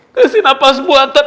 ngasih napas buatan